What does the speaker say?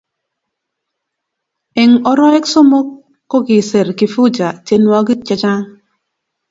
eng oroek somok, kokiser Kifuja tienwogik chechang